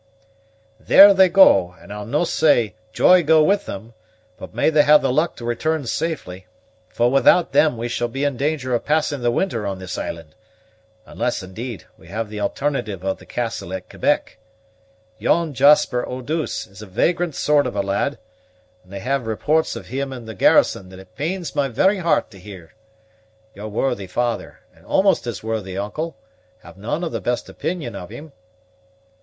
"There they go, and I'll no' say 'joy go with them;' but may they have the luck to return safely, for without them we shall be in danger of passing the winter on this island; unless, indeed, we have the alternative of the castle at Quebec. Yon Jasper Eau douce is a vagrant sort of a lad, and they have reports of him in the garrison that it pains my very heart to hear. Your worthy father, and almost as worthy uncle, have none of the best opinion of him."